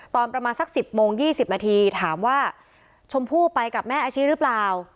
ตอนประมาณสัก๑๐โมง๒๐นาทีถามว่าชมพู่ไปกับแม่อาชิหรือเปล่า